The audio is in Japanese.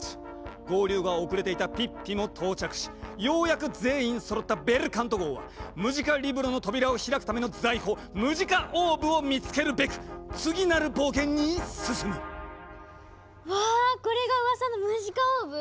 合流が遅れていたピッピも到着しようやく全員そろったベルカント号はムジカリブロの扉を開くための財宝「ムジカオーブ」を見つけるべく次なる冒険に進むわこれがうわさのムジカオーブ？